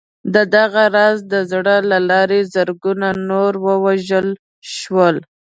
دغه راز د زور له لارې زرګونه نور ووژل شول